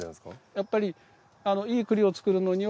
やっぱり。